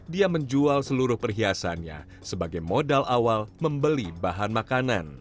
dia menjual seluruh perhiasannya sebagai modal awal membeli bahan makanan